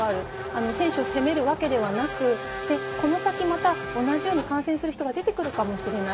選手を責めるわけではなく、この先また同じように感染する人が出てくるかもしれない。